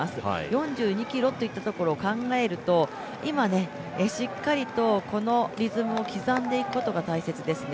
４２ｋｍというところを考えると、今、しっかりとリズムを刻んでいくことが大事ですね。